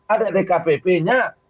ada dkpp nya